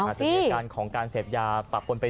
อัตฤษี